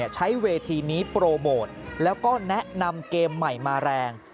ใช้เวทีนี้โปรโมทแล้วก็แนะนำเกมใหม่มาแรง